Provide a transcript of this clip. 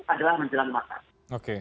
adalah menjelang matang